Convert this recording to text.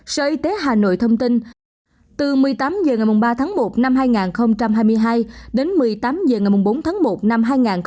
sở y tế hà nội thông tin từ một mươi tám h ngày ba tháng một năm hai nghìn hai mươi hai đến một mươi tám h ngày bốn tháng một năm hai nghìn hai mươi